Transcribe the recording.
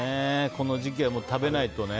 この時期は食べないとね。